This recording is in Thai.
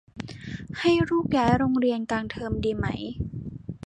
ให้ลูกย้ายโรงเรียนกลางเทอมดีไหม